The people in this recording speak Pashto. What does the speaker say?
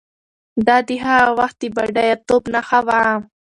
دا د هغه وخت د بډایه توب نښه وه.